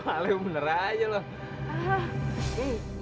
malah bener aja loh